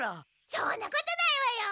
そんなことないわよ！